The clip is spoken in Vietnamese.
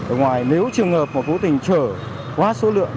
ở ngoài nếu trường hợp mà vô tình trở quá số lượng